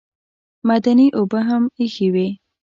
معدني اوبه هم ایښې وې.